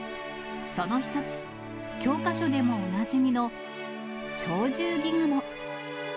その一つ、教科書でもおなじみの鳥獣戯画も。